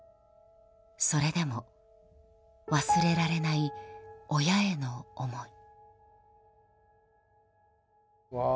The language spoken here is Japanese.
それでも忘れられない親への思い。